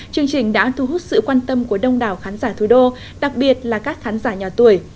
chương trình đã thu hút sự quan tâm của đông đảo khán giả thủ đô đặc biệt là các khán giả nhỏ tuổi